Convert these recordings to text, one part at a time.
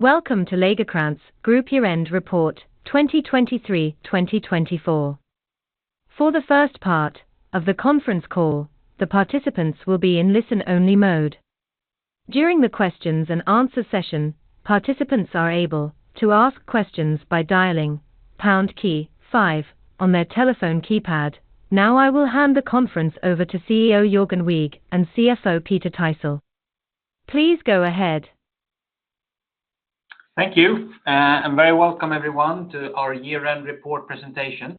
Welcome to Lagercrantz Group Year-End Report 2023-2024. For the first part of the conference call, the participants will be in listen-only mode. During the questions and answer session, participants are able to ask questions by dialing pound key five on their telephone keypad. Now, I will hand the conference over to CEO Jörgen Wigh and CFO Peter Tisell. Please go ahead. Thank you, and very welcome everyone to our year-end report presentation.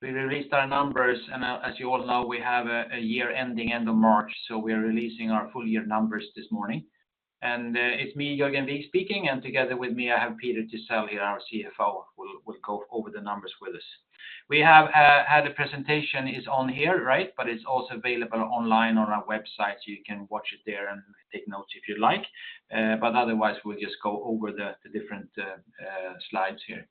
We released our numbers, and as you all know, we have a year ending end of March, so we are releasing our full year numbers this morning. It's me, Jörgen Wigh, speaking, and together with me, I have Peter Thysell here, our CFO, who will go over the numbers with us. We have a presentation here, right? But it's also available online on our website, so you can watch it there and take notes if you'd like. But otherwise, we'll just go over the different slides here.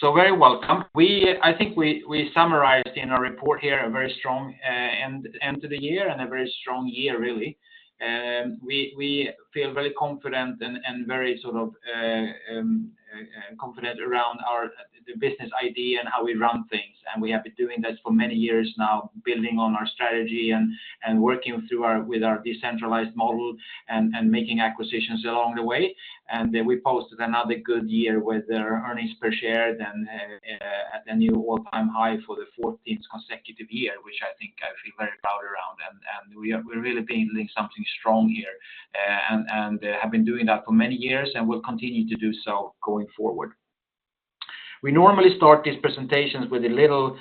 So very welcome. I think we summarized in our report here a very strong end to the year and a very strong year, really. We feel very confident and very sort of confident around our business idea and how we run things. We have been doing this for many years now, building on our strategy and working with our decentralized model and making acquisitions along the way. We posted another good year with earnings per share at a new all-time high for the 14th consecutive year, which I think I feel very proud around and we are. We're really building something strong here, and have been doing that for many years, and we'll continue to do so going forward. We normally start these presentations with a little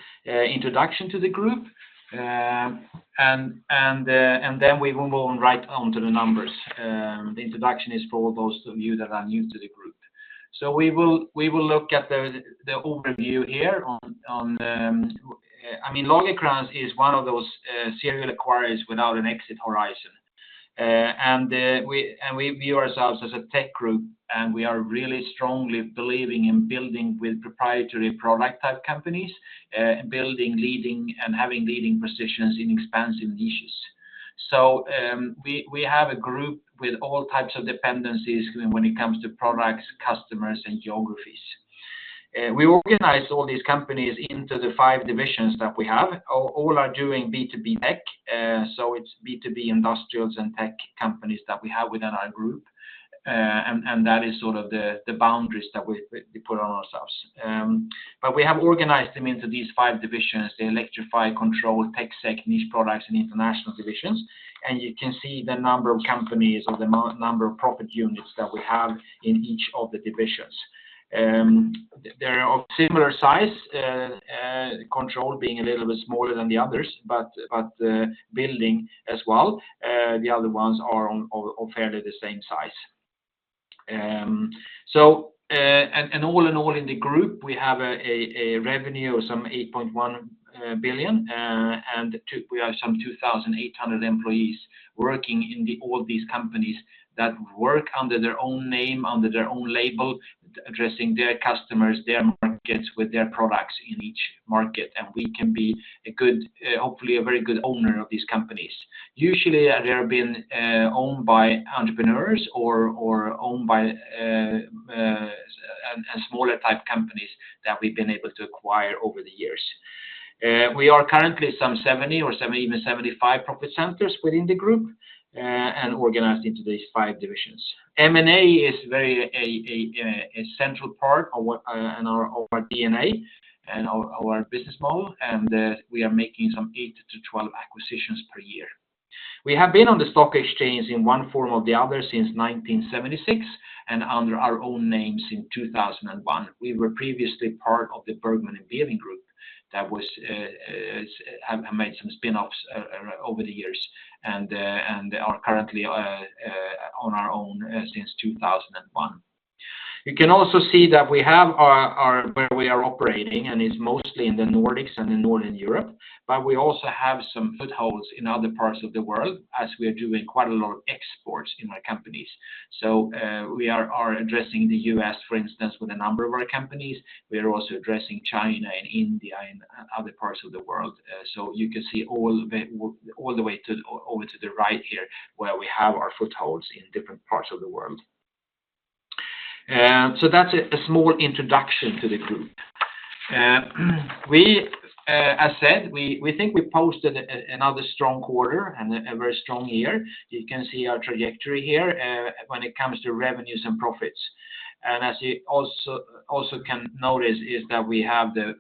introduction to the group. Then we will move on right on to the numbers. The introduction is for those of you that are new to the group. So we will look at the overview here on the. I mean, Lagercrantz is one of those serial acquirers without an exit horizon. And we view ourselves as a tech group, and we are really strongly believing in building with proprietary product type companies, building, leading, and having leading positions in expansive niches. So we have a group with all types of dependencies when it comes to products, customers, and geographies. We organize all these companies into the five divisions that we have. All are doing B2B tech, so it's B2B industrials and tech companies that we have within our group. And that is sort of the boundaries that we put on ourselves. But we have organized them into these five divisions: the Electrify, Control, TecSec, Niche Products, and International divisions. And you can see the number of companies or the number of profit units that we have in each of the divisions. They are of similar size, Control being a little bit smaller than the others, but International as well. The other ones are all fairly the same size. So, all in all, in the group, we have a revenue of some 8.1 billion, and we have some 2,800 employees working in all these companies that work under their own name, under their own label, addressing their customers, their markets, with their products in each market, and we can be a good, hopefully, a very good owner of these companies. Usually, they have been owned by entrepreneurs or owned by a smaller type companies that we've been able to acquire over the years. We are currently some 70, even 75 profit centers within the group, and organized into these 5 divisions. M&A is very a central part of our DNA and our business model, and we are making some 8-12 acquisitions per year. We have been on the stock exchange in one form or the other since 1976, and under our own names in 2001. We were previously part of the Bergman & Beving group that have made some spin-offs over the years and are currently on our own since 2001. You can also see where we are operating, and it's mostly in the Nordics and in Northern Europe, but we also have some footholds in other parts of the world as we are doing quite a lot of exports in our companies. So, we are addressing the U.S., for instance, with a number of our companies. We are also addressing China and India and other parts of the world. So you can see all the way to, over to the right here, where we have our footholds in different parts of the world. So that's a small introduction to the group. We, as said, we think we posted another strong quarter and a very strong year. You can see our trajectory here, when it comes to revenues and profits. And as you also can notice, is that we have the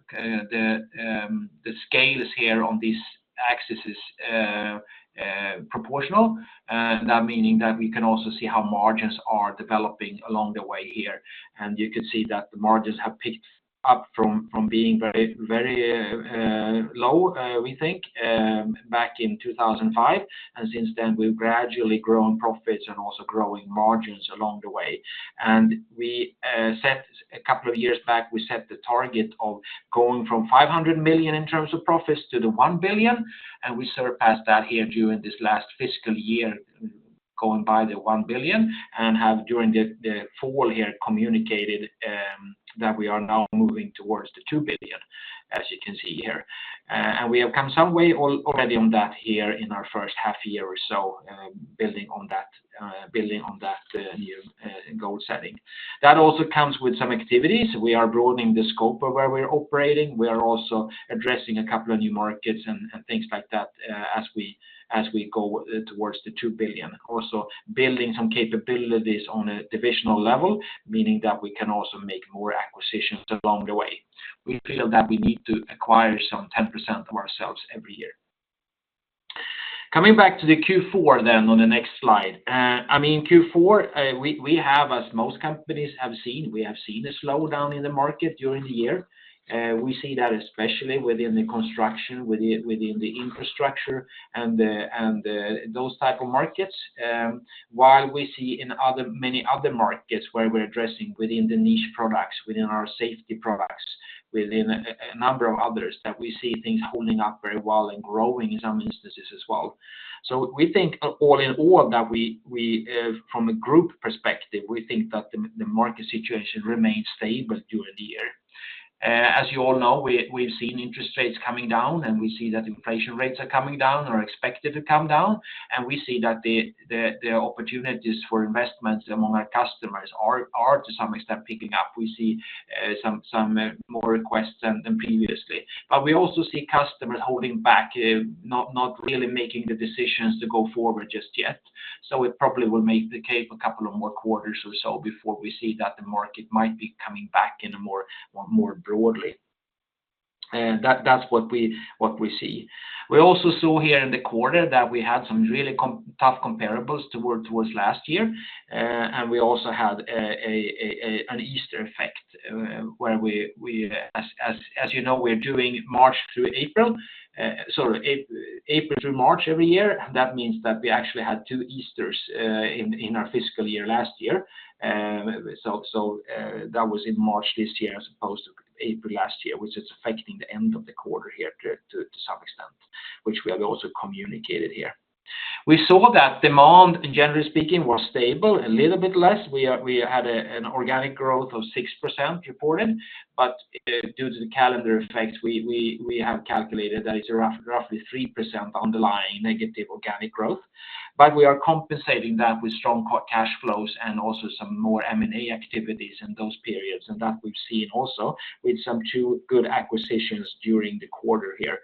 scales here on these axes, proportional, that meaning that we can also see how margins are developing along the way here. You can see that the margins have picked up from being very, very low, we think, back in 2005. Since then, we've gradually grown profits and also growing margins along the way. And we set a couple of years back, we set the target of going from 500 million in terms of profits to the 1 billion, and we surpassed that here during this last fiscal year, going by the 1 billion, and have, during the fall here, communicated that we are now moving towards the 2 billion, as you can see here. And we have come some way already on that here in our first half-year or so, building on that, building on that new goal setting. That also comes with some activities. We are broadening the scope of where we're operating. We are also addressing a couple of new markets and things like that, as we go towards 2 billion. Also building some capabilities on a divisional level, meaning that we can also make more acquisitions along the way. We feel that we need to acquire some 10% of ourselves every year. Coming back to the Q4 then on the next slide. I mean, Q4, we have, as most companies have seen, we have seen a slowdown in the market during the year. We see that especially within the construction, within the infrastructure and the those type of markets, while we see in other many other markets where we're addressing within the niche products, within our safety products, within a number of others, that we see things holding up very well and growing in some instances as well. So we think all in all, that from a group perspective, we think that the market situation remains stable during the year. As you all know, we've seen interest rates coming down, and we see that inflation rates are coming down or expected to come down, and we see that the opportunities for investments among our customers are, to some extent, picking up. We see some more requests than previously. But we also see customers holding back, not really making the decisions to go forward just yet, so it probably will make the case a couple of more quarters or so before we see that the market might be coming back in a more broadly. That's what we see. We also saw here in the quarter that we had some really tough comparables toward last year. And we also had an Easter effect, where we, as you know, we're doing March through April, sorry, April through March every year. That means that we actually had two Easters in our fiscal year last year. So, that was in March this year, as opposed to April last year, which is affecting the end of the quarter here to some extent, which we have also communicated here. We saw that demand, generally speaking, was stable, a little bit less. We had an organic growth of 6% reported, but due to the calendar effect, we have calculated that it's roughly -3% underlying organic growth. But we are compensating that with strong cash flows and also some more M&A activities in those periods, and that we've seen also with some two good acquisitions during the quarter here,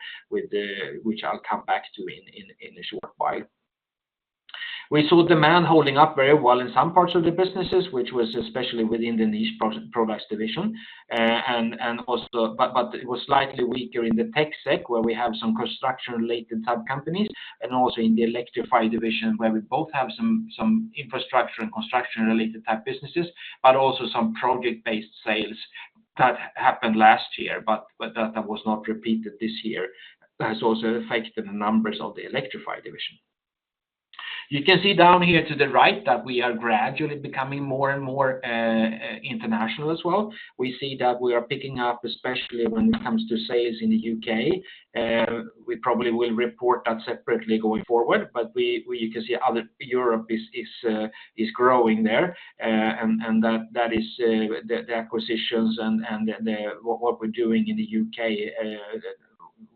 which I'll come back to in a short while. We saw demand holding up very well in some parts of the businesses, which was especially within the Niche Products division, and also, but it was slightly weaker in the TecSec, where we have some construction-related type companies, and also in the Electrify division, where we both have some infrastructure and construction-related type businesses, but also some project-based sales that happened last year, but that was not repeated this year. That has also affected the numbers of the Electrify division. You can see down here to the right that we are gradually becoming more and more international as well. We see that we are picking up, especially when it comes to sales in the U.K.. We probably will report that separately going forward, but we, you can see how the Europe is growing there. And that is the acquisitions and what we're doing in the U.K.,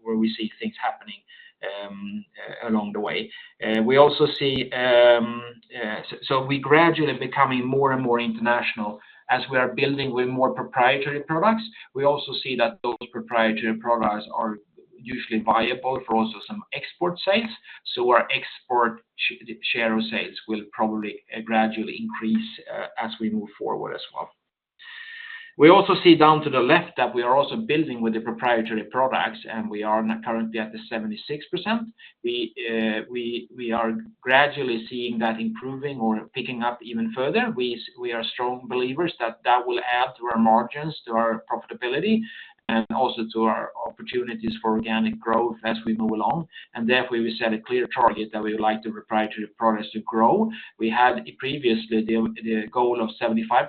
where we see things happening along the way. We also see so we gradually becoming more and more international. As we are building with more proprietary products, we also see that those proprietary products are usually viable for also some export sales, so our export share of sales will probably gradually increase as we move forward as well. We also see down to the left that we are also building with the proprietary products, and we are now currently at the 76%. We are gradually seeing that improving or picking up even further. We are strong believers that that will add to our margins, to our profitability, and also to our opportunities for organic growth as we move along. And therefore, we set a clear target that we would like the proprietary products to grow. We had previously the goal of 75%,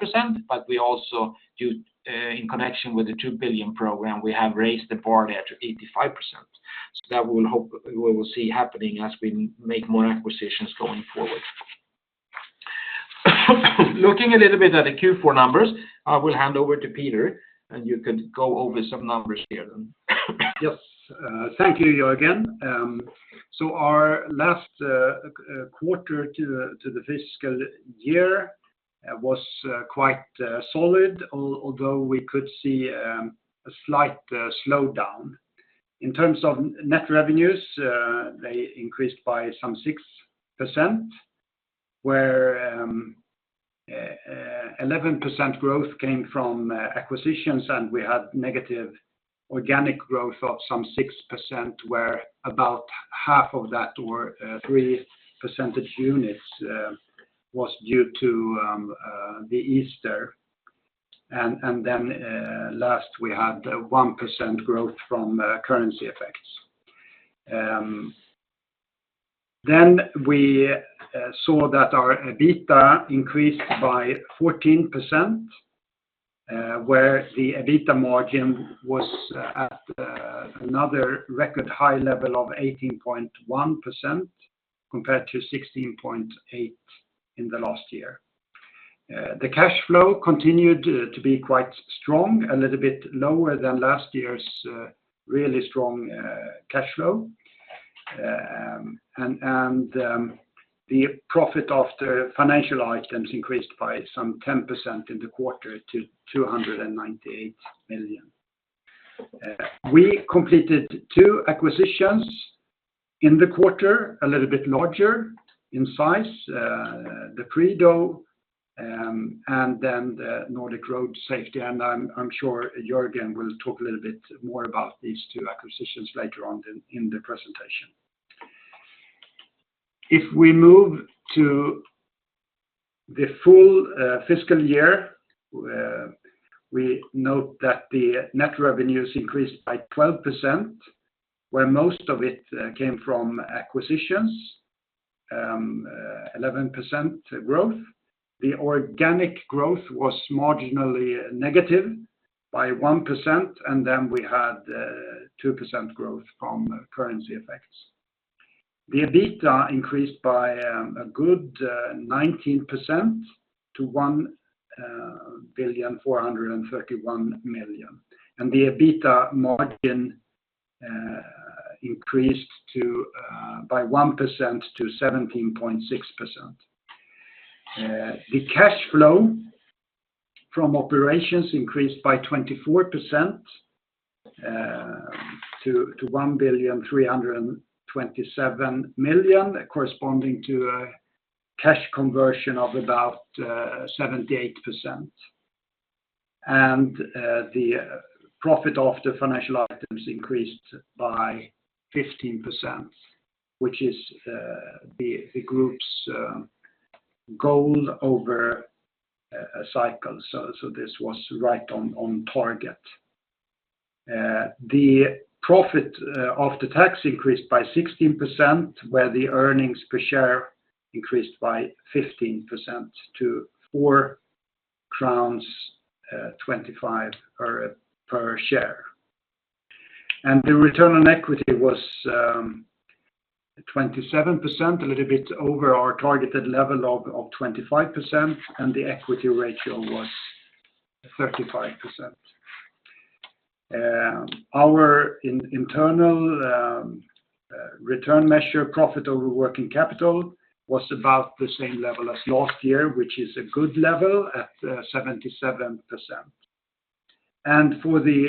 but we also, due in connection with the 2 billion program, we have raised the bar there to 85%. So that we will see happening as we make more acquisitions going forward. Looking a little bit at the Q4 numbers, I will hand over to Peter, and you could go over some numbers here then. Yes, thank you, Jörgen. So our last quarter to the fiscal year was quite solid, although we could see a slight slowdown. In terms of net revenues, they increased by some 6%, where 11% growth came from acquisitions, and we had negative organic growth of some 6%, where about half of that were three percentage units was due to the Easter. And then last, we had 1% growth from currency effects. Then we saw that our EBITDA increased by 14%, where the EBITDA margin was at another record high level of 18.1% compared to 16.8% in the last year. The cash flow continued to be quite strong, a little bit lower than last year's really strong cash flow. And the profit after financial items increased by some 10% in the quarter to 298 million. We completed two acquisitions in the quarter, a little bit larger in size, the Prido, and then the Nordic Road Safety, and I'm sure Jörgen will talk a little bit more about these two acquisitions later on in the presentation. If we move to the full fiscal year, we note that the net revenues increased by 12%, where most of it came from acquisitions, 11% growth. The organic growth was marginally negative by 1%, and then we had 2% growth from currency effects. The EBITDA increased by a good 19% to 1,431 million, and the EBITDA margin increased to by 1% to 17.6%. The cash flow from operations increased by 24% to 1,327 million, corresponding to a cash conversion of about 78%. And the profit after financial items increased by 15%, which is the group's goal over a cycle, so this was right on target. The profit after tax increased by 16%, where the earnings per share increased by 15% to 4.25 SEK per share. And the return on equity was 27%, a little bit over our targeted level of 25%, and the equity ratio was 35%. Our internal return measure, profit over working capital, was about the same level as last year, which is a good level at 77%. For the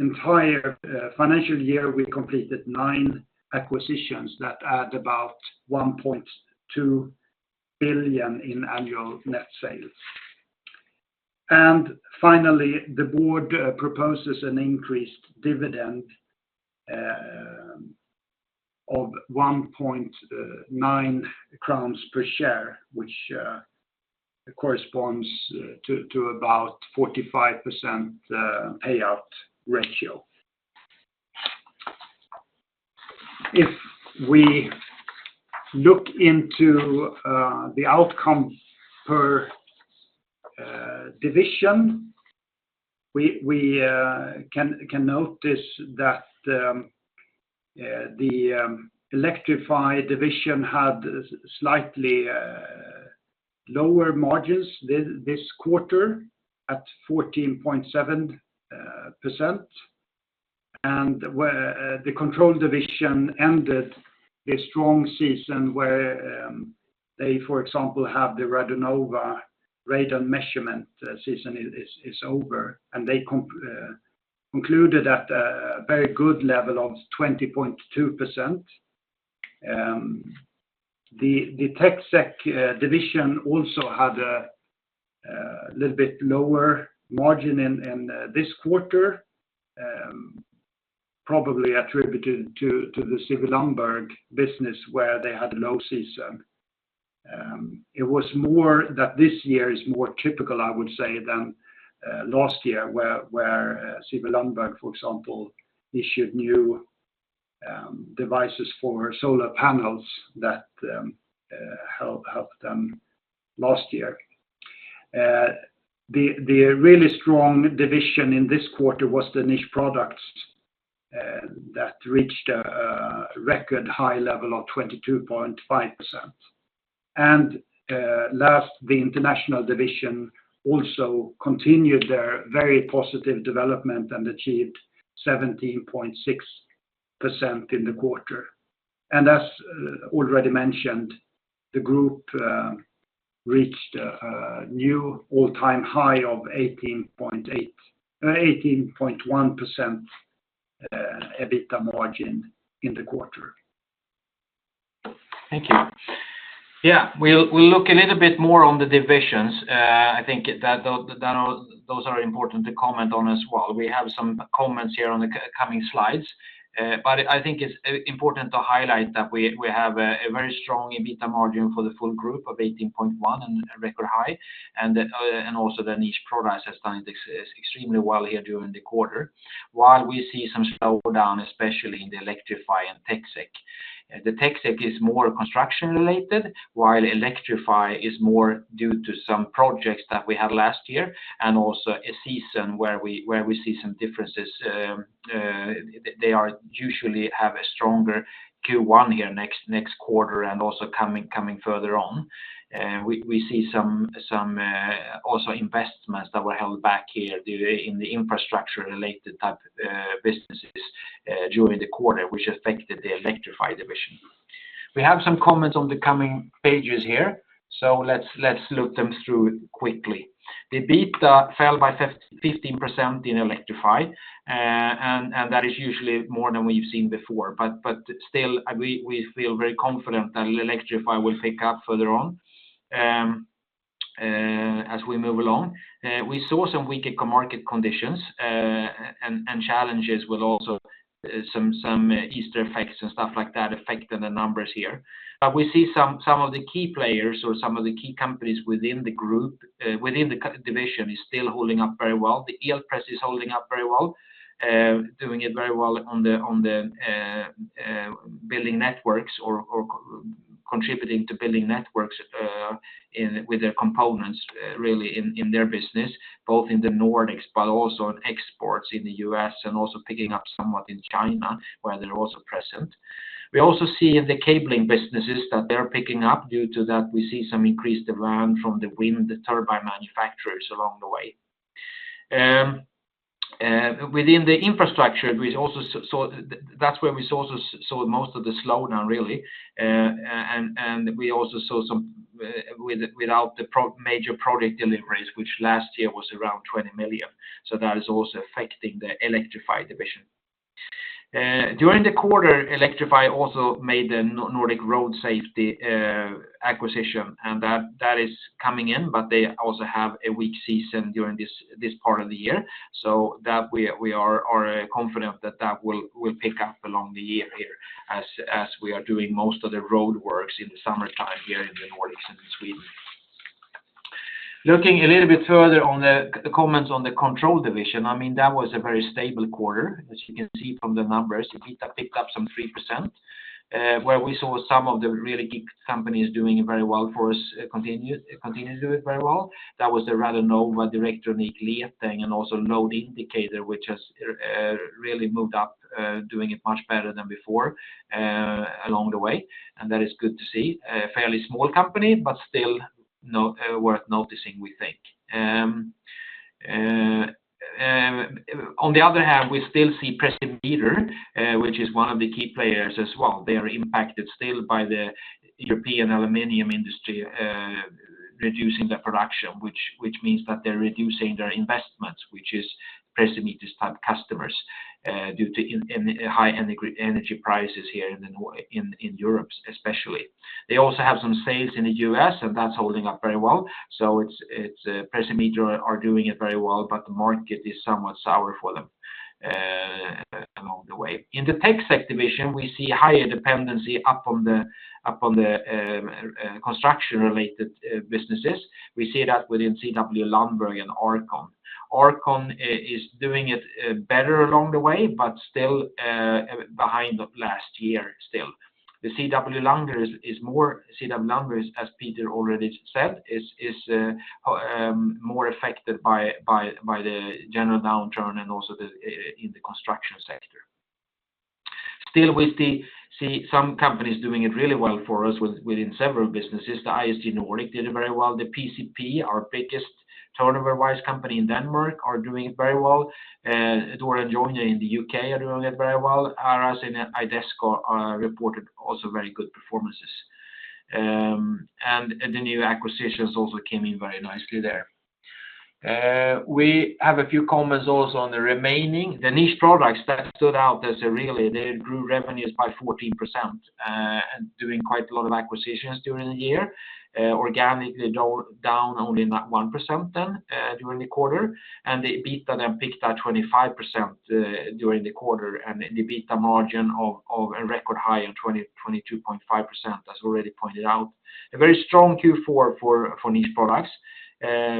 entire financial year, we completed 9 acquisitions that add about 1.2 billion in annual net sales. Finally, the board proposes an increased dividend of 1.9 crowns per share, which corresponds to about 45% payout ratio. If we look into the outcome per division, we can notice that the Electrify division had slightly lower margins this quarter at 14.7%. Where the Control division ended a strong season where they, for example, have the Radonova radon measurement season is over, and they concluded at a very good level of 20.2%. The TecSec division also had a little bit lower margin in this quarter, probably attributed to the CW Lundberg business, where they had a low season. It was more that this year is more typical, I would say, than last year, where CW Lundberg, for example, issued new devices for solar panels that helped them last year. The really strong division in this quarter was the Niche Products that reached a record high level of 22.5%. Last, the International division also continued their very positive development and achieved 17.6% in the quarter. And as already mentioned, the group reached a new all-time high of 18.1% EBITDA margin in the quarter. Thank you. Yeah, we'll look a little bit more on the divisions. I think that those are important to comment on as well. We have some comments here on the coming slides, but I think it's important to highlight that we have a very strong EBITDA margin for the full group of 18.1%, and a record high, and also the Niche Products has done extremely well here during the quarter. While we see some slowdown, especially in the Electrify and TecSec. The TecSec is more construction related, while Electrify is more due to some projects that we had last year, and also a season where we see some differences. They usually have a stronger Q1 here, next quarter, and also coming further on. We see some also investments that were held back here due in the infrastructure-related type businesses during the quarter, which affected the Electrify division. We have some comments on the coming pages here, so let's look them through quickly. The EBITDA fell by 15% in Electrify, and that is usually more than we've seen before, but still, we feel very confident that Electrify will pick up further on as we move along. We saw some weaker co-market conditions, and challenges with also some Easter effects and stuff like that affecting the numbers here. But we see some of the key players or some of the key companies within the group, within the Electrify division, is still holding up very well. The Elpress is holding up very well, doing it very well on the building networks or contributing to building networks with their components, really in their business, both in the Nordics, but also in exports in the U.S., and also picking up somewhat in China, where they're also present. We also see in the cabling businesses that they're picking up. Due to that, we see some increased demand from the wind turbine manufacturers along the way. Within the infrastructure, we also saw that's where we saw most of the slowdown, really, and we also saw some without the major project deliveries, which last year was around 20 million. So that is also affecting the Electrify division. During the quarter, Electrify also made the Nordic Road Safety, uh, acquisition, and that, that is coming in, but they also have a weak season during this, this part of the year. So that we, we are, are confident that that will, will pick up along the year here as, as we are doing most of the roadworks in the summertime here in the Nordics and in Sweden. Looking a little bit further on the, the comments on the Control division, I mean, that was a very stable quarter. As you can see from the numbers, EBITDA picked up some 3%, uh, where we saw some of the really key companies doing very well for us, uh, continued, continued to do it very well. That was the Radonova, the Direktronik, Leteng, and also Load Indicator, which has really moved up, doing it much better than before, along the way. And that is good to see. A fairly small company, but still worth noticing, we think. On the other hand, we still see Precimeter, which is one of the key players as well. They are impacted still by the European aluminum industry reducing their production, which means that they're reducing their investments, which is Precimeter's type customers, due to high energy prices here in Europe, especially. They also have some sales in the US, and that's holding up very well. So it's Precimeter are doing it very well, but the market is somewhat sour for them, along the way. In the TecSec division, we see higher dependency upon the construction-related businesses. We see that within CW Lundberg and R-Con. R-Con is doing it better along the way, but still behind last year, still. The CW Lundberg is more—CW Lundberg, as Peter already said, is more affected by the general downturn and also in the construction sector. Still, we see some companies doing it really well for us within several businesses. The ISG Nordic did very well. The PcP, our biggest turnover-wise company in Denmark, are doing very well. Door & Joinery in the U.K. are doing it very well. Aras and Idesco are reported also very good performances. And the new acquisitions also came in very nicely there. We have a few comments also on the remaining. The Niche Products that stood out as really, they grew revenues by 14%, and doing quite a lot of acquisitions during the year. Organically, down only 1% then, during the quarter, and the EBITDA then picked up 25%, during the quarter, and the EBITDA margin of, of a record high in 22.5%, as already pointed out. A very strong Q4 for Niche Products,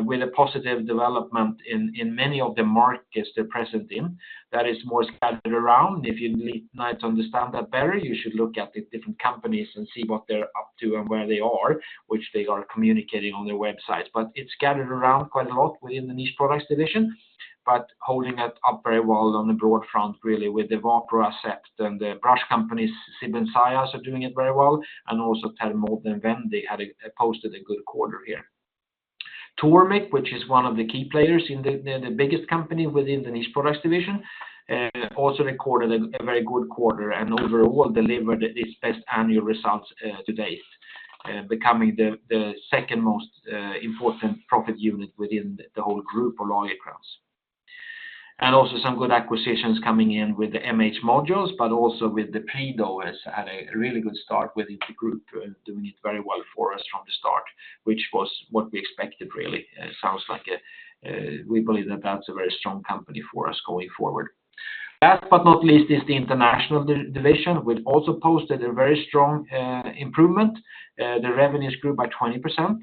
with a positive development in many of the markets they're present in. That is more scattered around. If you need to understand that better, you should look at the different companies and see what they're up to and where they are, which they are communicating on their website. But it's scattered around quite a lot within the Niche Products division, but holding it up very well on a broad front, really, with the Wapro, Asept and the brush companies, SIB and Sajas, are doing it very well, and also Thermod and Vendig had posted a good quarter here. Tormek, which is one of the key players in the biggest company within the Niche Products division, also recorded a very good quarter and overall delivered its best annual results to date, becoming the second most important profit unit within the whole group of Lagercrantz. And also some good acquisitions coming in with the MH Modules, but also with the Prido has had a really good start within the group, doing it very well for us from the start, which was what we expected, really. Sounds like a, we believe that that's a very strong company for us going forward. Last but not least is the International division, which also posted a very strong improvement. The revenues grew by 20%.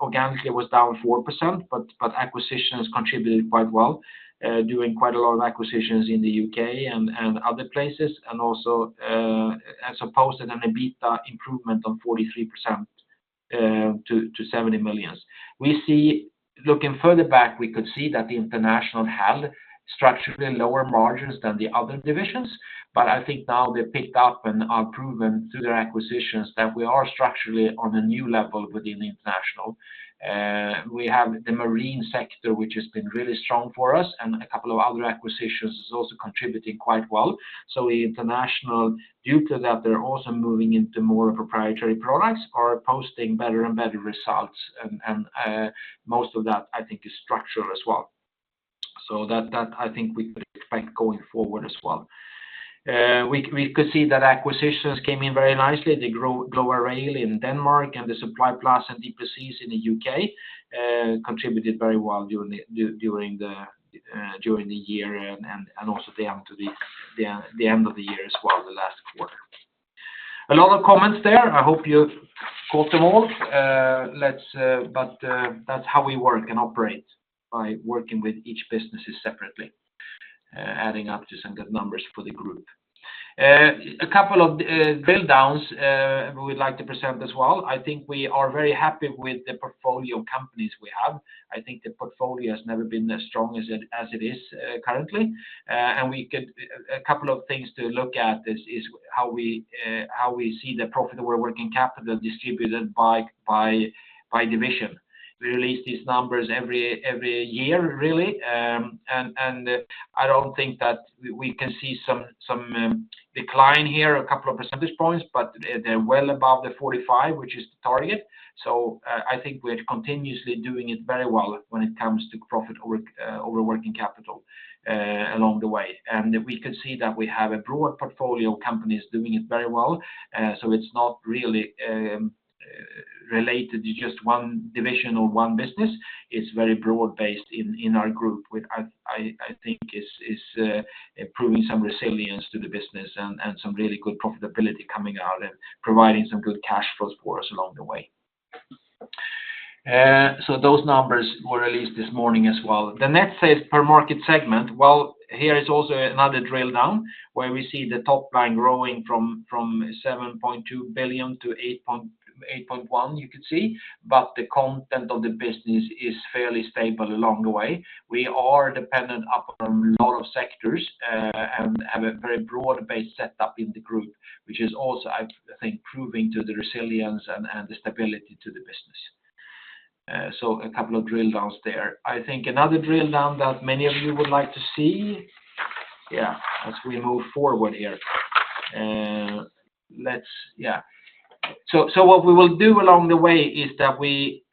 Organically, it was down 4%, but, but acquisitions contributed quite well, doing quite a lot of acquisitions in the U.K. and, and other places, and also, as opposed to an EBITDA improvement of 43% to 70 million. We see, looking further back, we could see that the international had structurally lower margins than the other divisions, but I think now they've picked up and are proven through their acquisitions that we are structurally on a new level within the international. We have the marine sector, which has been really strong for us, and a couple of other acquisitions is also contributing quite well. So the International, due to that, they're also moving into more proprietary products, are posting better and better results, and most of that, I think, is structural as well. So that I think we could expect going forward as well. We could see that acquisitions came in very nicely. The Glova Rail in Denmark, and the Supply Plus and DP Seals in the U.K., contributed very well during the year and also the end of the year as well, the last quarter. A lot of comments there. I hope you caught them all. But that's how we work and operate, by working with each businesses separately, adding up to some good numbers for the group. A couple of drill downs we'd like to present as well. I think we are very happy with the portfolio companies we have. I think the portfolio has never been as strong as it is currently. And we get a couple of things to look at is how we see the profit or working capital distributed by division. We release these numbers every year, really, and I don't think that we can see some decline here, a couple of percentage points, but they're well above the 45, which is the target. So, I think we're continuously doing it very well when it comes to profit over working capital along the way. And we can see that we have a broad portfolio of companies doing it very well. So it's not really related to just one division or one business. It's very broad-based in our group, which I think is proving some resilience to the business and some really good profitability coming out and providing some good cash flows for us along the way. So those numbers were released this morning as well. The net sales per market segment, well, here is also another drill down, where we see the top line growing from 7.2 billion to 8.1 billion, you could see, but the content of the business is fairly stable along the way. We are dependent upon a lot of sectors and have a very broad-based setup in the group, which is also, I think, proving to the resilience and the stability to the business. So a couple of drill downs there. I think another drill down that many of you would like to see, yeah, as we move forward here. Let's, yeah. So what we will do along the way is that we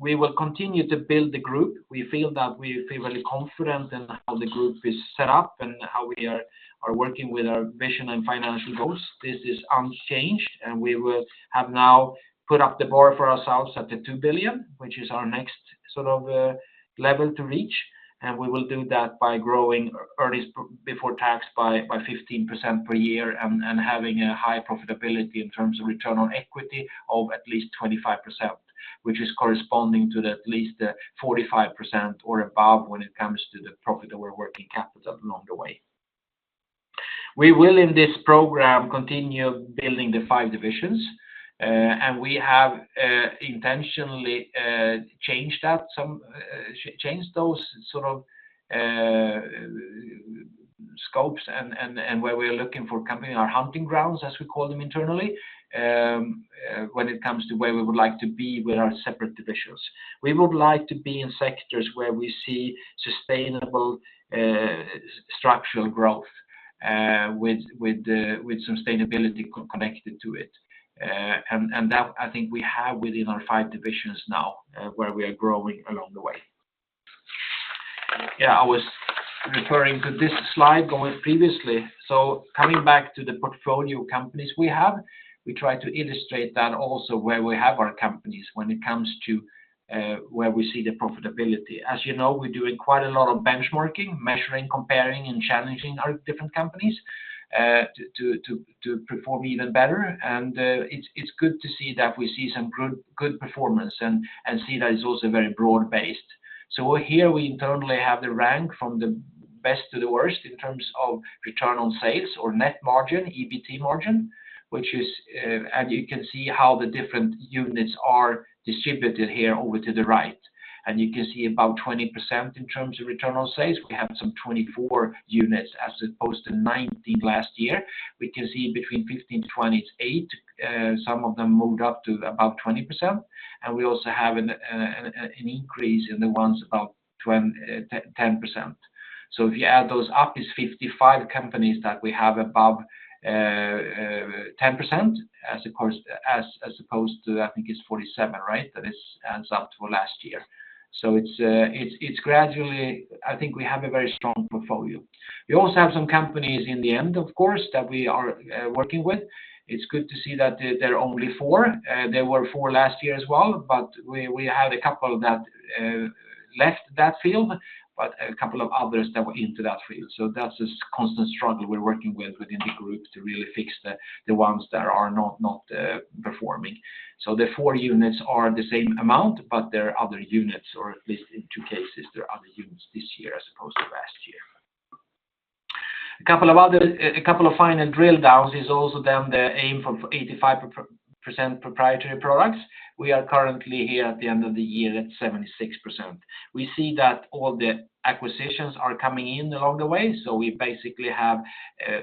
will continue to build the group. We feel that we feel really confident in how the group is set up and how we are working with our vision and financial goals. This is unchanged, and we will have now put up the bar for ourselves at 2 billion, which is our next sort of level to reach, and we will do that by growing earnings before tax by 15% per year and having a high profitability in terms of return on equity of at least 25%, which is corresponding to at least 45% or above when it comes to the profit over working capital along the way. We will, in this program, continue building the five divisions, and we have intentionally changed those sort of scopes and where we're looking for company, our hunting grounds, as we call them internally, when it comes to where we would like to be with our separate divisions. We would like to be in sectors where we see sustainable structural growth, with sustainability co-connected to it. And that I think we have within our five divisions now, where we are growing along the way. Yeah, I was referring to this slide going previously. So coming back to the portfolio companies we have, we try to illustrate that also where we have our companies when it comes to where we see the profitability. As you know, we're doing quite a lot of benchmarking, measuring, comparing, and challenging our different companies to perform even better, and it's good to see that we see some good, good performance and see that it's also very broad-based. So here we internally have the rank from the best to the worst in terms of return on sales or net margin, EBT margin, which is, and you can see how the different units are distributed here over to the right. And you can see about 20% in terms of return on sales. We have some 24 units as opposed to 19 last year. We can see between 15-28, some of them moved up to about 20%, and we also have an increase in the ones about 10%. So if you add those up, it's 55 companies that we have above 10%, as opposed to, I think it's 47, right? That adds up to last year. So it's gradually. I think we have a very strong portfolio. We also have some companies in the end, of course, that we are working with. It's good to see that there are only four. There were four last year as well, but we had a couple that left that field, but a couple of others that were into that field. So that's a constant struggle we're working with within the group to really fix the ones that are not performing. So the four units are the same amount, but there are other units, or at least in two cases, there are other units this year as opposed to last year. A couple of other, a couple of final drill downs is also then the aim for 85% proprietary products. We are currently here at the end of the year at 76%. We see that all the acquisitions are coming in along the way, so we basically have,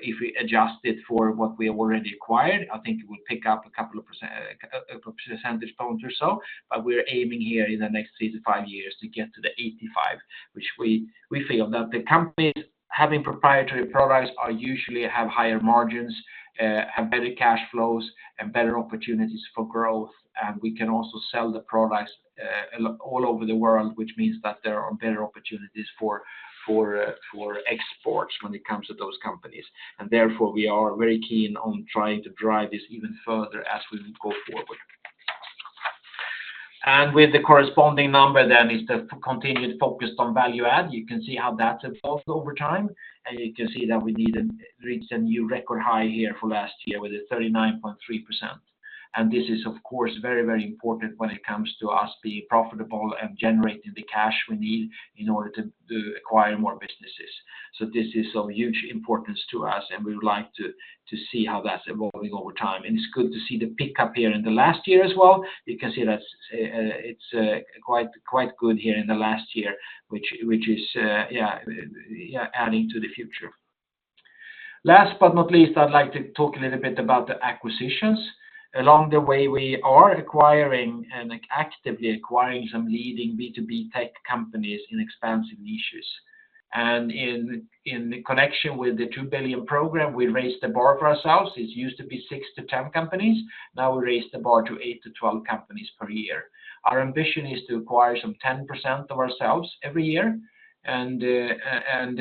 if we adjust it for what we have already acquired, I think it will pick up a couple of percent, percentage points or so. But we're aiming here in the next 3-5 years to get to the 85, which we feel that the companies having proprietary products are usually have higher margins, have better cash flows, and better opportunities for growth, and we can also sell the products all over the world, which means that there are better opportunities for exports when it comes to those companies. And therefore, we are very keen on trying to drive this even further as we go forward. And with the corresponding number, then it's the continued focus on value add. You can see how that's evolved over time, and you can see that we reach a new record high here for last year with a 39.3%. This is, of course, very, very important when it comes to us being profitable and generating the cash we need in order to acquire more businesses. So this is of huge importance to us, and we would like to see how that's evolving over time. It's good to see the pickup here in the last year as well. You can see that's, it's, quite good here in the last year, which is, yeah, yeah, adding to the future. Last but not least, I'd like to talk a little bit about the acquisitions. Along the way, we are acquiring and actively acquiring some leading B2B tech companies in expansive niches. In the connection with the 2 billion program, we raised the bar for ourselves. It used to be 6-10 companies; now we raised the bar to 8-12 companies per year. Our ambition is to acquire some 10% of ourselves every year, and, and,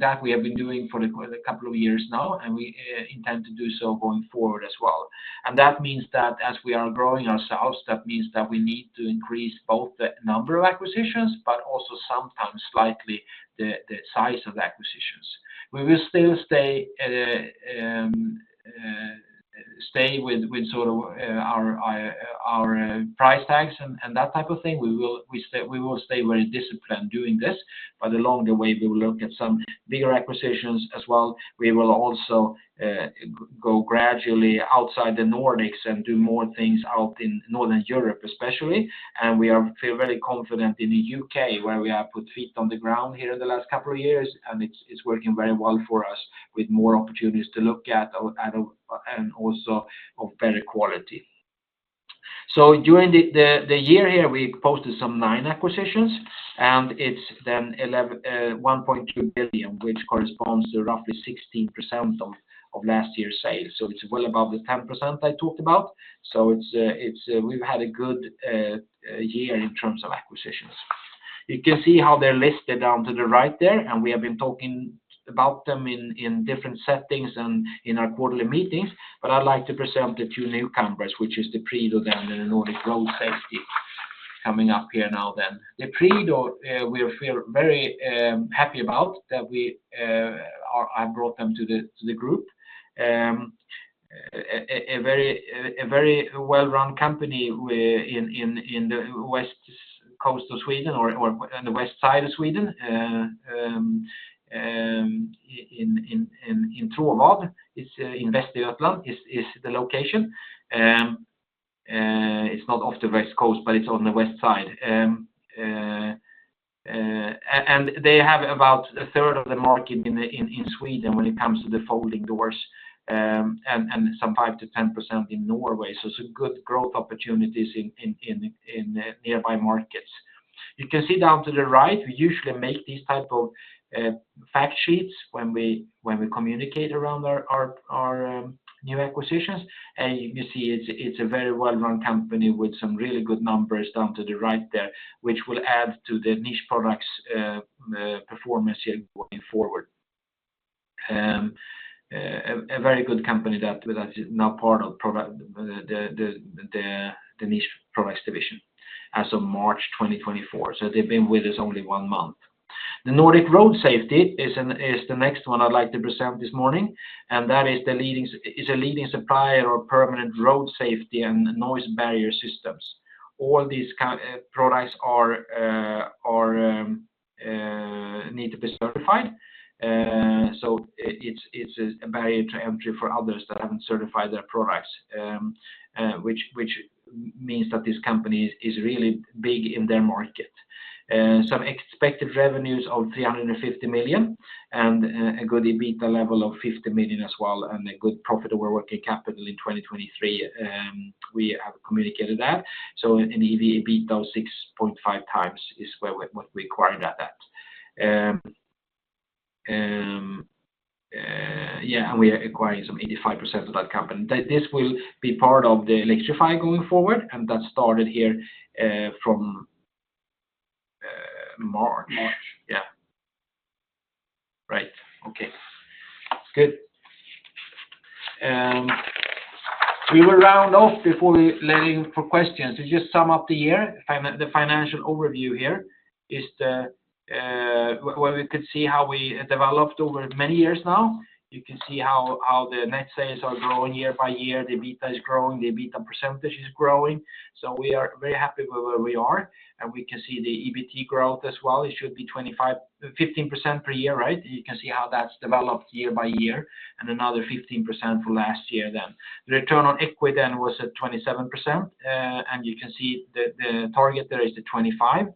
that we have been doing for a couple of years now, and we intend to do so going forward as well. That means that as we are growing ourselves, that means that we need to increase both the number of acquisitions, but also sometimes slightly the size of the acquisitions. We will still stay, stay with, with sort of, our, our, price tags and, and that type of thing. We will—we stay; we will stay very disciplined doing this, but along the way, we will look at some bigger acquisitions as well. We will also go gradually outside the Nordics and do more things out in Northern Europe, especially. We feel very confident in the U.K., where we have put feet on the ground here in the last couple of years, and it's working very well for us, with more opportunities to look at, at, and also of better quality. So during the year here, we posted some 9 acquisitions, and it's then 1.2 billion, which corresponds to roughly 16% of last year's sales. So, we've had a good year in terms of acquisitions. You can see how they're listed down to the right there, and we have been talking about them in different settings and in our quarterly meetings. But I'd like to present the two newcomers, which is the Prido then, the Nordic Road Safety coming up here now then. The Prido, we feel very happy about, that we are—I brought them to the group. A very well-run company we in the west coast of Sweden or on the west side of Sweden, in Tråvad, it's in Västergötland, is the location. And they have about a third of the market in Sweden when it comes to the folding doors, and some 5%-10% in Norway. So it's a good growth opportunities in nearby markets. You can see down to the right, we usually make these type of fact sheets when we communicate around our new acquisitions. And you can see it's a very well-run company with some really good numbers down to the right there, which will add to the Niche Products performance here going forward. A very good company that is now part of the Niche Products division as of March 2024. So they've been with us only one month. The Nordic Road Safety is the next one I'd like to present this morning, and that is a leading supplier of permanent road safety and noise barrier systems. All these products need to be certified. So it's a barrier to entry for others that haven't certified their products, which means that this company is really big in their market. Some expected revenues of 350 million, and a good EBITDA level of 50 million as well, and a good profit over working capital in 2023, we have communicated that. So an EV/EBITDA of 6.5x is where what we acquired at that. Yeah, and we are acquiring some 85% of that company. That this will be part of the Electrify going forward, and that started here from March. March. Yeah. Right. Okay, good. We will round off before we let in for questions. To just sum up the year, the financial overview here is the where we could see how we developed over many years now. You can see how the net sales are growing year by year. The EBITDA is growing, the EBITDA percentage is growing, so we are very happy with where we are, and we can see the EBIT growth as well. It should be 25, 15% per year, right? You can see how that's developed year by year, and another 15% for last year then. The return on equity then was at 27%, and you can see the target there is the 25.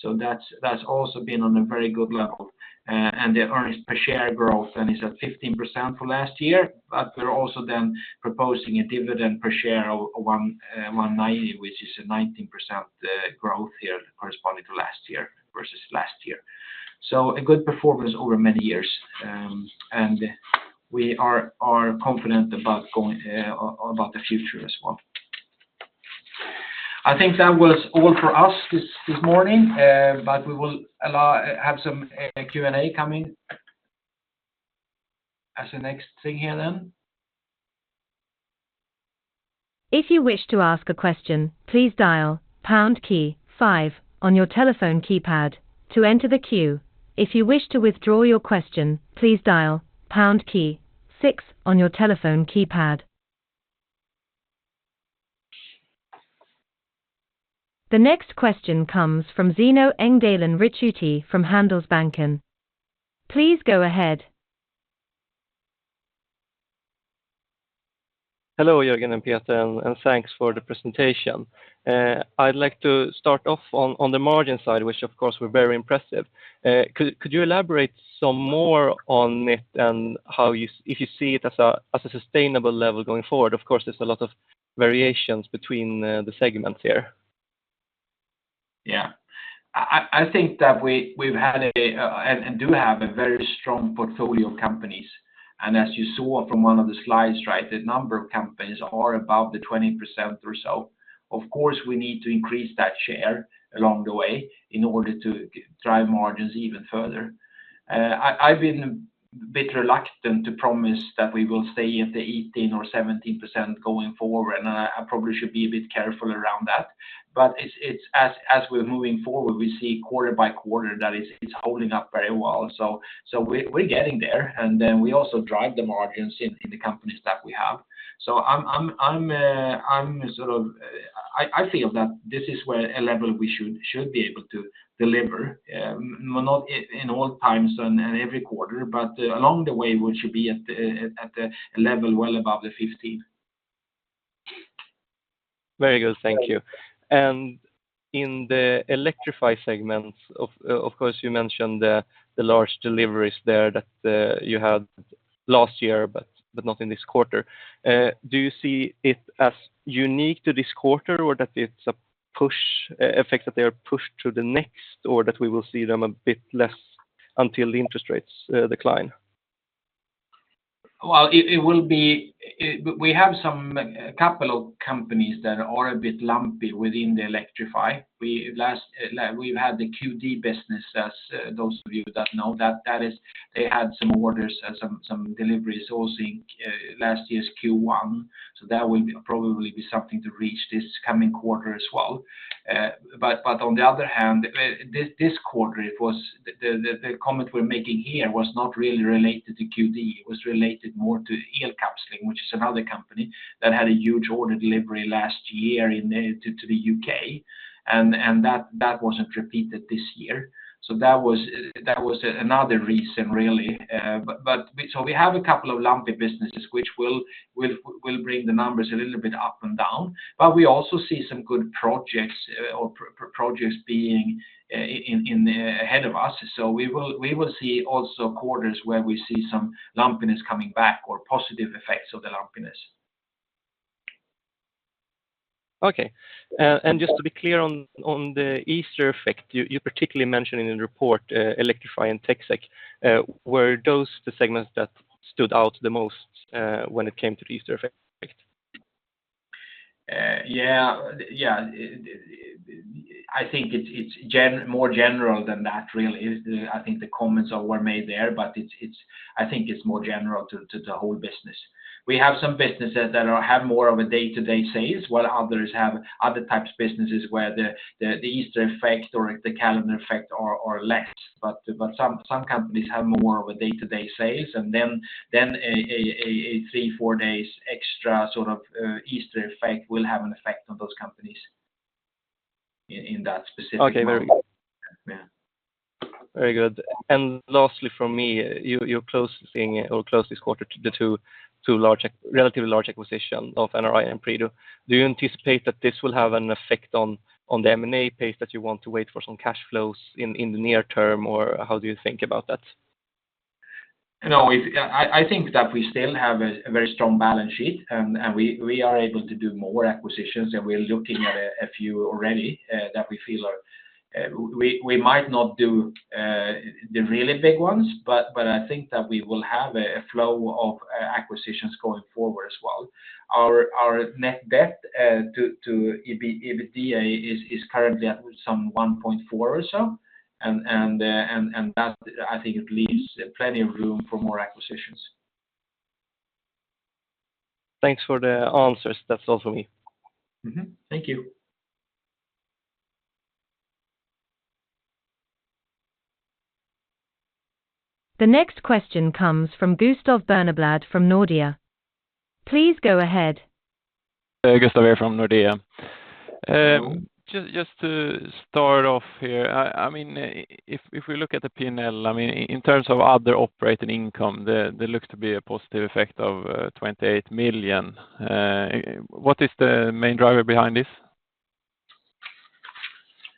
So that's also been on a very good level. And the earnings per share growth is at 15% for last year, but we're also then proposing a dividend per share of 1.90, which is a 19% growth here corresponding to last year, versus last year. So a good performance over many years. And we are confident about the future as well. I think that was all for us this morning, but we will have some Q&A coming as the next thing here then. If you wish to ask a question, please dial pound key five on your telephone keypad to enter the queue. If you wish to withdraw your question, please dial pound key six on your telephone keypad. The next question comes from Zeno Engdahl Ricciuti from Handelsbanken. Please go ahead. Hello, Jörgen and Peter, and thanks for the presentation. I'd like to start off on the margin side, which of course were very impressive. Could you elaborate some more on it and how you see it as a sustainable level going forward? Of course, there's a lot of variations between the segments here. Yeah. I think that we've had a. Do have a very strong portfolio of companies, and as you saw from one of the slides, right? The number of companies are about the 20% or so. Of course, we need to increase that share along the way in order to drive margins even further. I've been a bit reluctant to promise that we will stay at the 18% or 17% going forward, and I probably should be a bit careful around that. But it's as we're moving forward, we see quarter by quarter that it's holding up very well. So we're getting there, and then we also drive the margins in the companies that we have. So I'm sort of. I feel that this is where a level we should be able to deliver, not in all times and every quarter, but along the way, we should be at a level well above the 15. Very good. Thank you. And in the Electrify segment, of course, you mentioned the large deliveries there that you had last year but not in this quarter. Do you see it as unique to this quarter or that it's a push effect, that they are pushed to the next, or that we will see them a bit less until the interest rates decline? Well, it will be. We have some, a couple of companies that are a bit lumpy within the Electrify. Last, we've had the Cue Dee business as, those of you that know that, that is, they had some orders and some deliveries also in last year's Q1, so that will probably be something to reach this coming quarter as well. But on the other hand, this quarter, it was the comment we're making here was not really related to Cue Dee, it was related more to Elkapsling, which is another company that had a huge order delivery last year in the to the U.K., and that wasn't repeated this year. So that was another reason, really. So we have a couple of lumpy businesses which will bring the numbers a little bit up and down, but we also see some good projects or projects being ahead of us. So we will see also quarters where we see some lumpiness coming back or positive effects of the lumpiness. Okay. And just to be clear on, on the Easter effect, you, you particularly mentioned in the report, Electrify and TecSec, were those the segments that stood out the most, when it came to the Easter effect? Yeah. Yeah, I think it's more general than that, really. I think the comments were made there, but it's more general to the whole business. We have some businesses that have more of a day-to-day sales, while others have other types of businesses where the Easter effect or the calendar effect are less. But some companies have more of a day-to-day sales, and then a 3-4 days extra sort of Easter effect will have an effect on those companies in that specific model. Okay, very good. Yeah. Very good. Lastly, from me, you're closing or closed this quarter the two relatively large acquisitions of NRS and Prido. Do you anticipate that this will have an effect on the M&A pace, that you want to wait for some cash flows in the near term, or how do you think about that? No, we've. I think that we still have a very strong balance sheet, and we are able to do more acquisitions, and we're looking at a few already that we feel are we might not do the really big ones, but I think that we will have a flow of acquisitions going forward as well. Our net debt to EBITDA is currently at some 1.4 or so, and that I think it leaves plenty of room for more acquisitions. Thanks for the answers. That's all for me. Mm-hmm. Thank you. The next question comes from Gustav Berneblad, from Nordea. Please go ahead. Gustav here from Nordea. Hello. Just to start off here, I mean, if we look at the P&L, I mean, in terms of other operating income, there looks to be a positive effect of 28 million. What is the main driver behind this?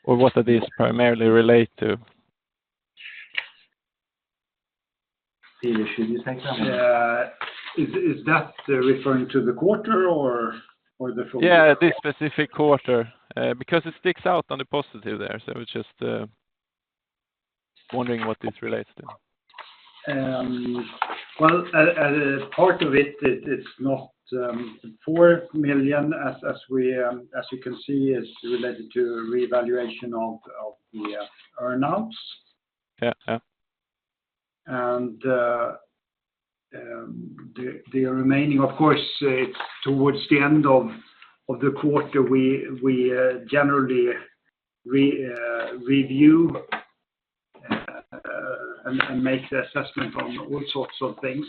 Or what does this primarily relate to? Peter, should you take that one? Is that referring to the quarter or the full year? Yeah, this specific quarter, because it sticks out on the positive there. So I was just wondering what this relates to. Well, part of it, it's not 4 million as you can see. It's related to revaluation of the earn outs. Yeah. Yeah. And the remaining, of course, it's towards the end of the quarter, we generally review and make the assessment on all sorts of things.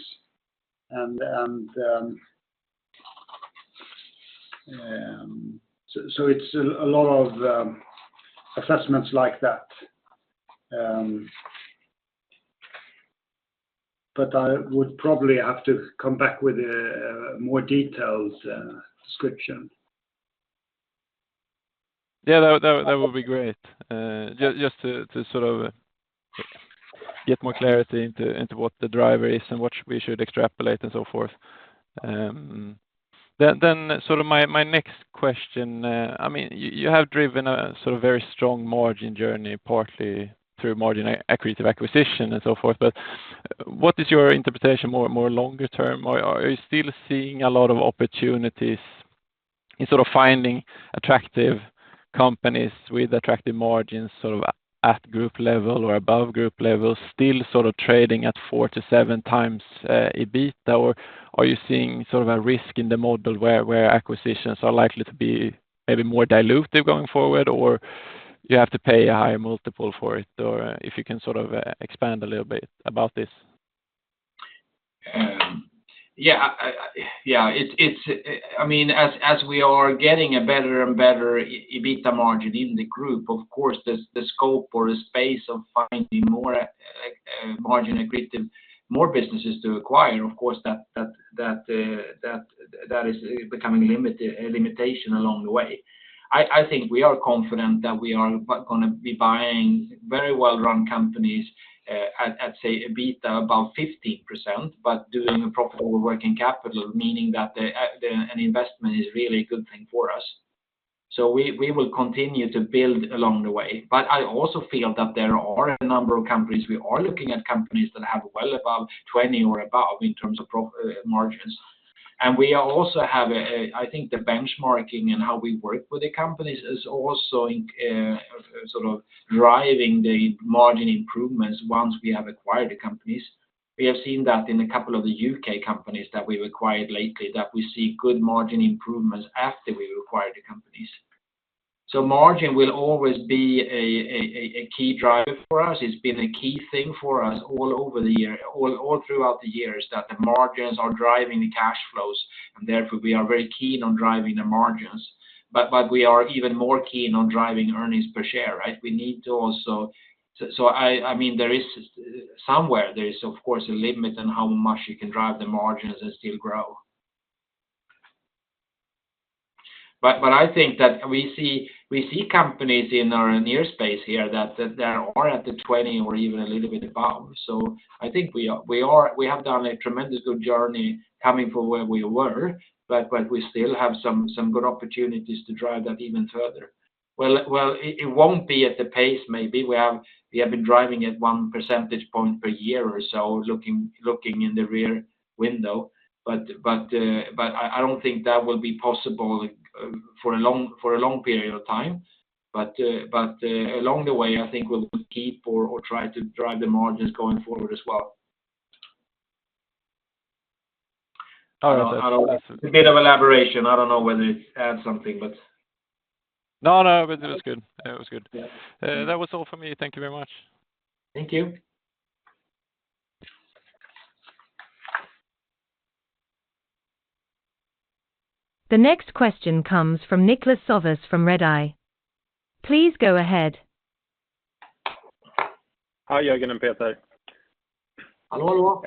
It's a lot of assessments like that. But I would probably have to come back with a more detailed description. Yeah, that would be great. Just to sort of get more clarity into what the driver is and what we should extrapolate and so forth. Then sort of my next question, I mean, you have driven a sort of very strong margin journey, partly through margin accretive acquisition and so forth. But what is your interpretation more longer term? Or are you still seeing a lot of opportunities in sort of finding attractive companies with attractive margins, sort of at group level or above group level, still sort of trading at 4x-7x EBIT? Or are you seeing sort of a risk in the model where acquisitions are likely to be maybe more dilutive going forward, or you have to pay a higher multiple for it? Or if you can sort of, expand a little bit about this? Yeah, it's. I mean, as we are getting a better and better EBITDA margin in the group, of course, the scope or the space of finding more margin accretive businesses to acquire, of course, that is becoming a limitation along the way. I think we are confident that we are gonna be buying very well-run companies at, say, an EBITDA of about 15%, but doing a proper working capital, meaning that an investment is really a good thing for us. So we will continue to build along the way. But I also feel that there are a number of companies; we are looking at companies that have well above 20% or above in terms of profit margins. We also have. I think the benchmarking and how we work with the companies is also in sort of driving the margin improvements once we have acquired the companies. We have seen that in a couple of the U.K. companies that we've acquired lately, that we see good margin improvements after we've acquired the companies. So margin will always be a key driver for us. It's been a key thing for us all throughout the years, that the margins are driving the cash flows, and therefore, we are very keen on driving the margins. But we are even more keen on driving earnings per share, right? We need to also. So I mean, there is, of course, a limit on how much you can drive the margins and still grow. But I think that we see companies in our near space here that there are at the 20 or even a little bit above. So I think we are—we have done a tremendously good journey coming from where we were, but we still have some good opportunities to drive that even further. Well, it won't be at the pace maybe we have been driving at one percentage point per year or so, looking in the rear window. But I don't think that will be possible for a long period of time. But along the way, I think we'll keep or try to drive the margins going forward as well. I don't know. I don't know. A bit of elaboration. I don't know whether it adds something, but. No, no, it was good. It was good. Yeah. That was all for me. Thank you very much. Thank you. The next question comes from Niklas Sävås from Redeye. Please go ahead. Hi, Jörgen and Peter. Hello.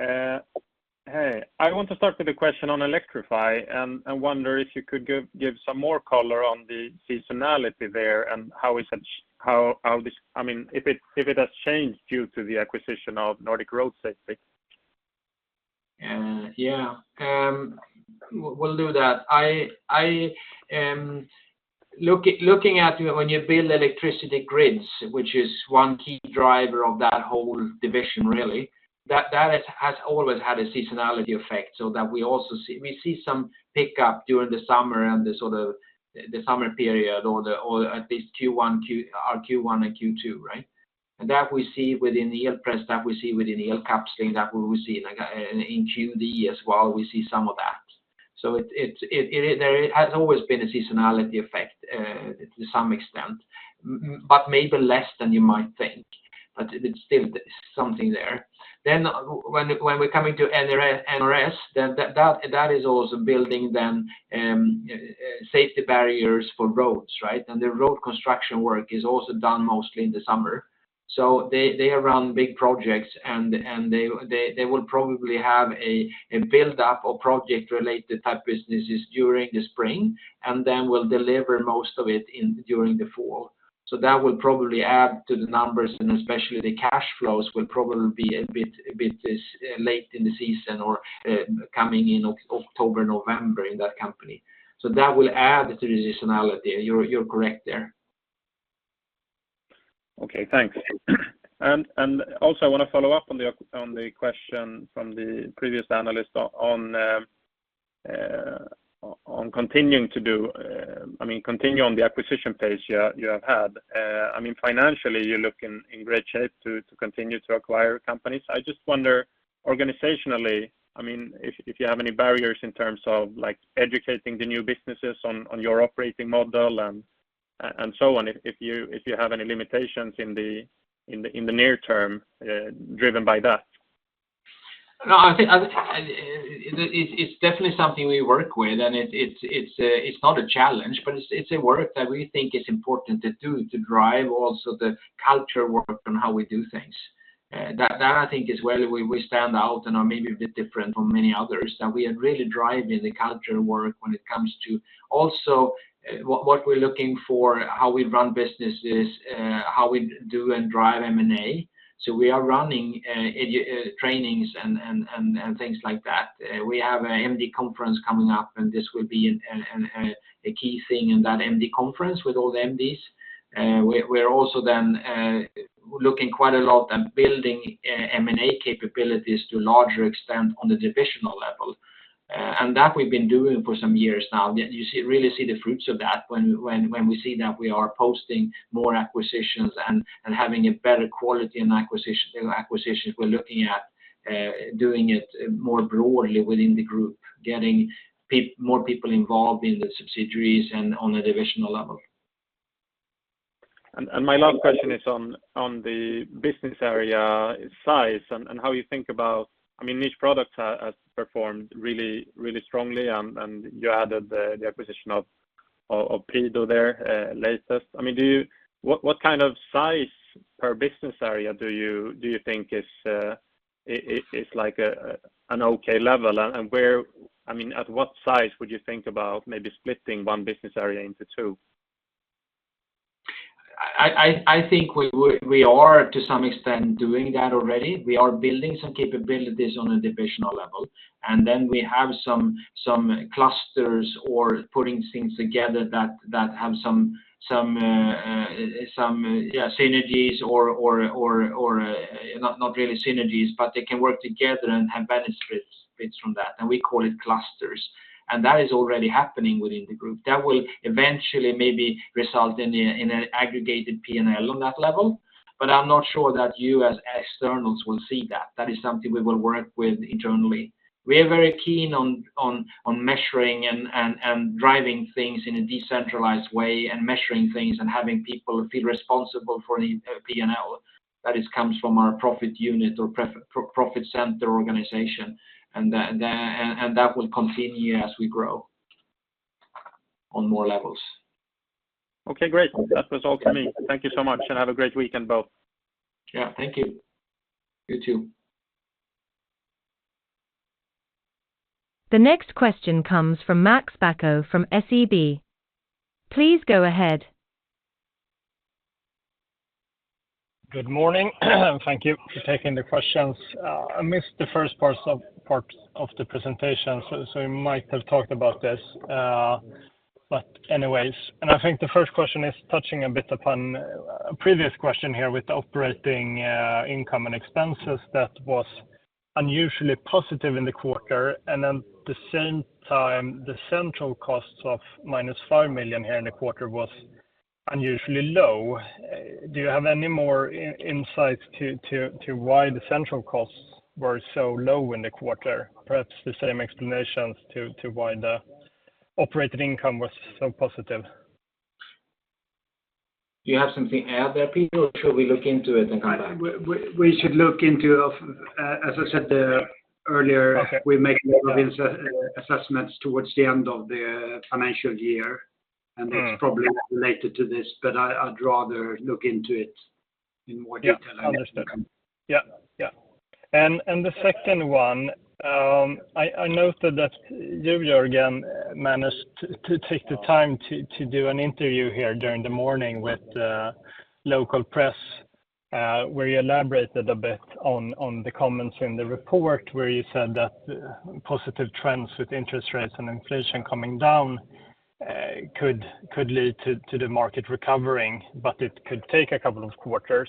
Hey, I want to start with a question on Electrify, and I wonder if you could give some more color on the seasonality there and how is it, how this, I mean, if it has changed due to the acquisition of Nordic Road Safety? Yeah, we'll do that. Looking at when you build electricity grids, which is one key driver of that whole division, really, that has always had a seasonality effect, so that we see some pickup during the summer and the sort of the summer period or at least our Q1 and Q2, right? And that we see within the Elpress, that we see within the Elkapsling, that we will see in Cue Dee as well, we see some of that. So there has always been a seasonality effect to some extent, but maybe less than you might think, but it's still something there. Then when we're coming to NRS, then that is also building safety barriers for roads, right? And the road construction work is also done mostly in the summer. So they around big projects, and they will probably have a build-up of project-related type businesses during the spring, and then will deliver most of it during the fall. So that will probably add to the numbers, and especially the cash flows will probably be a bit late in the season or coming in October, November in that company. So that will add to the seasonality. You're correct there. Okay, thanks. And also I want to follow up on the question from the previous analyst on continuing to do, I mean, continue on the acquisition pace you have had. I mean, financially, you're looking in great shape to continue to acquire companies. I just wonder, organizationally, I mean, if you have any barriers in terms of, like, educating the new businesses on your operating model and so on, if you have any limitations in the near term driven by that? No, I think it's definitely something we work with, and it's not a challenge, but it's a work that we think is important to do to drive also the culture work on how we do things. That I think is where we stand out and are maybe a bit different from many others, that we are really driving the culture work when it comes to also what we're looking for, how we run businesses, how we do and drive M&A. So we are running trainings and things like that. We have a MD conference coming up, and this will be a key thing in that MD conference with all the MDs. We're, we're also then looking quite a lot and building M&A capabilities to a larger extent on the divisional level. And that we've been doing for some years now. You see- really see the fruits of that when we see that we are posting more acquisitions and having a better quality in acquisitions. We're looking at doing it more broadly within the group, getting more people involved in the subsidiaries and on a divisional level. My last question is on the business area size and how you think about. I mean, Niche Products have performed really, really strongly, and you added the acquisition of Prido there latest. I mean, what kind of size per business area do you think is like an okay level? And where—I mean, at what size would you think about maybe splitting one business area into two? I think we are, to some extent, doing that already. We are building some capabilities on a divisional level, and then we have some clusters or putting things together that have some synergies or not really synergies, but they can work together and have benefits from that, and we call it clusters. And that is already happening within the group. That will eventually maybe result in an aggregated P&L on that level, but I'm not sure that you, as externals, will see that. That is something we will work with internally. We are very keen on measuring and driving things in a decentralized way and measuring things and having people feel responsible for the P&L, that is, comes from our profit unit or profit center organization, and that will continue as we grow on more levels. Okay, great. That was all for me. Thank you so much, and have a great weekend, though. Yeah, thank you. You too. The next question comes from Max Bäck from SEB. Please go ahead. Good morning, and thank you for taking the questions. I missed the first parts of the presentation, so you might have talked about this, but anyways. I think the first question is touching a bit upon a previous question here with operating income and expenses that was unusually positive in the quarter, and then at the same time, the central costs of -5 million here in the quarter was unusually low. Do you have any more insights to why the central costs were so low in the quarter? Perhaps the same explanations to why the operating income was so positive. Do you have something to add there, Peter, or should we look into it and come back? We should look into it. As I said earlier. We make more of these assessments toward the end of the financial year, and that's probably related to this, but I, I'd rather look into it in more detail. Yeah, understood. Yeah. Yeah. And the second one, I noted that you, Jörgen, managed to take the time to do an interview here during the morning with the local press, where you elaborated a bit on the comments in the report, where you said that positive trends with interest rates and inflation coming down could lead to the market recovering, but it could take a couple of quarters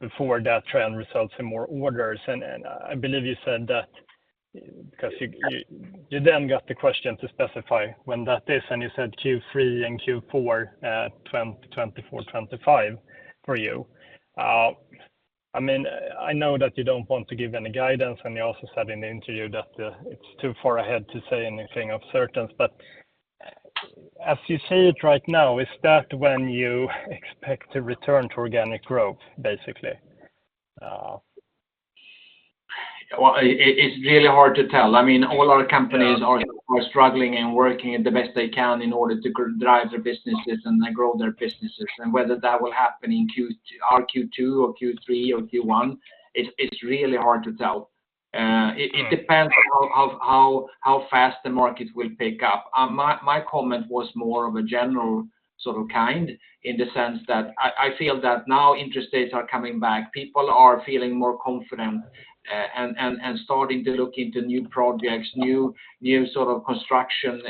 before that trend results in more orders. And I believe you said that because you then got the question to specify when that is, and you said Q3 and Q4, 2024, 2025 for you. I mean, I know that you don't want to give any guidance, and you also said in the interview that it's too far ahead to say anything of certain, but as you see it right now, is that when you expect to return to organic growth, basically? Well, it's really hard to tell. I mean, all our companies are struggling and working the best they can in order to drive their businesses and grow their businesses. And whether that will happen in Q2. Our Q2 or Q3 or Q1, it's really hard to tell. It depends on how fast the market will pick up. My comment was more of a general sort of kind, in the sense that I feel that now interest rates are coming back, people are feeling more confident, and starting to look into new projects, new sort of construction,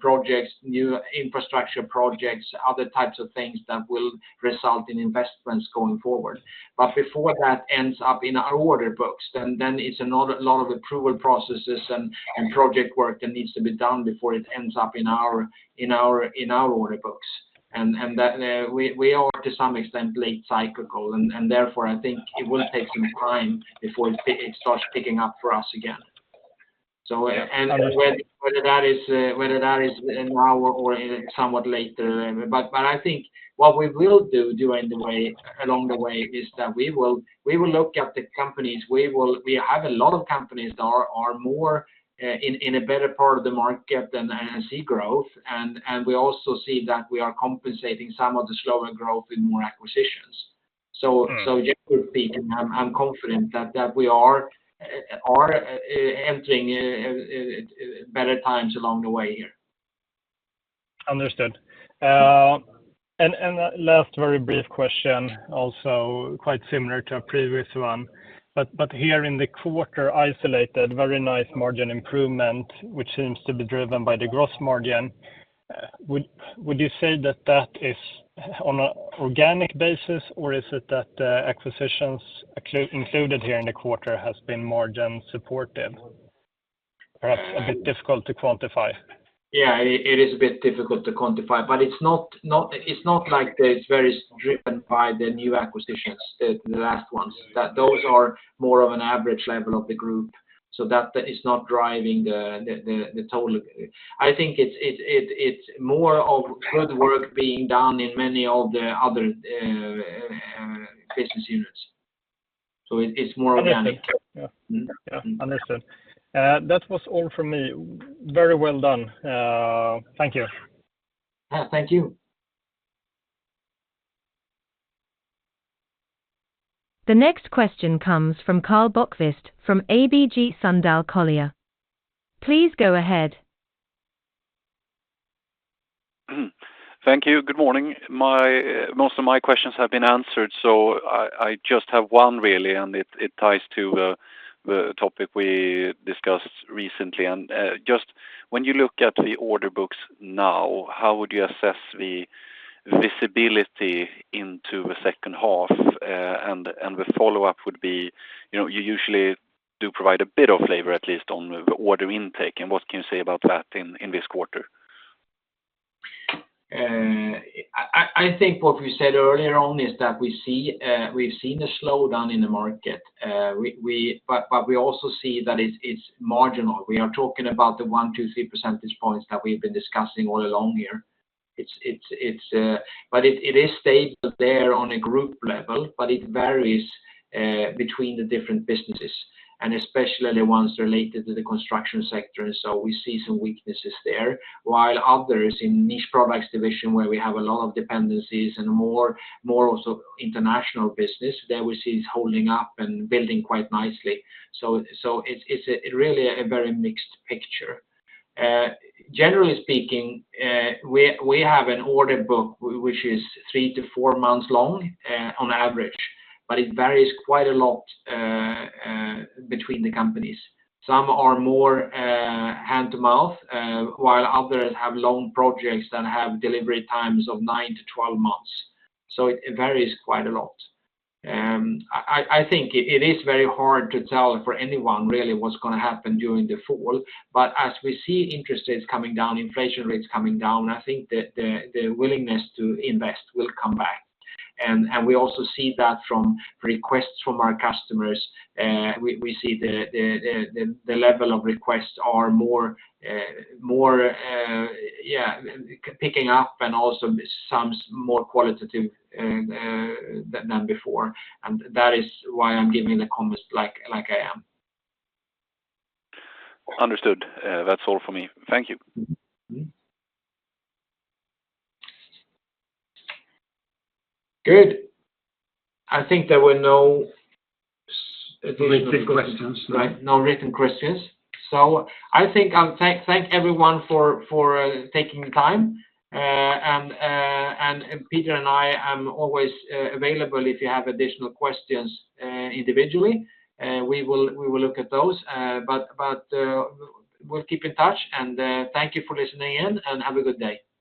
projects, new infrastructure projects, other types of things that will result in investments going forward. But before that ends up in our order books, then it's another lot of approval processes and project work that needs to be done before it ends up in our order books. And that we are to some extent late cyclical, and therefore, I think it will take some time before it starts picking up for us again. So, whether that is now or somewhat later. But I think what we will do during the way, along the way, is that we will look at the companies. We have a lot of companies that are more in a better part of the market than I see growth, and we also see that we are compensating some of the slower growth in more acquisitions. So I'm confident that we are entering better times along the way here. Understood. And a last very brief question, also quite similar to a previous one, but here in the quarter, isolated, very nice margin improvement, which seems to be driven by the gross margin. Would you say that that is on a organic basis, or is it that acquisitions included here in the quarter has been margin supportive? Perhaps a bit difficult to quantify. Yeah, it is a bit difficult to quantify, but it's not—it's not like it's very driven by the new acquisitions, the last ones. That those are more of an average level of the group, so that is not driving the total. I think it's more of good work being done in many of the other business units. So it's more organic. Understood. Yeah. Yeah, understood. That was all for me. Very well done. Thank you. Thank you. The next question comes from Karl Bokvist from ABG Sundal Collier. Please go ahead. Thank you. Good morning. My, most of my questions have been answered, so I, I just have one really, and it, it ties to the topic we discussed recently. And, just when you look at the order books now, how would you assess the visibility into the second half? And, and the follow-up would be, you know, you usually do provide a bit of flavor, at least on the order intake, and what can you say about that in, in this quarter? I think what we said earlier on is that we see we've seen a slowdown in the market. But we also see that it's marginal. We are talking about the 1-3 percentage points that we've been discussing all along here. But it is stable there on a group level, but it varies between the different businesses, and especially the ones related to the construction sector. So we see some weaknesses there, while others in Niche Products division, where we have a lot of dependencies and more of international business, there we see it's holding up and building quite nicely. So it's a really a very mixed picture. Generally speaking, we have an order book which is 3-4 months long, on average, but it varies quite a lot between the companies. Some are more hand to mouth while others have long projects that have delivery times of 9-12 months. So it varies quite a lot. I think it is very hard to tell for anyone really what's gonna happen during the fall, but as we see interest rates coming down, inflation rates coming down, I think that the willingness to invest will come back. And we also see that from requests from our customers. We see the level of requests are more, yeah, picking up and also some more qualitative than before. That is why I'm giving the comments like, like I am. Understood. That's all for me. Thank you. Mm-hmm. Good. I think there were no. Written questions. Right, no written questions. So I think I'll thank everyone for taking the time, and Peter and I am always available if you have additional questions individually. We will look at those. But we'll keep in touch, and thank you for listening in, and have a good day.